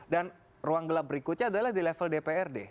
dan ruang gelap berikutnya adalah di level dprd